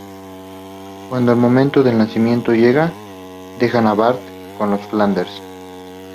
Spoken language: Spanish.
Cuando el momento del nacimiento llega, dejan a Bart con los Flanders.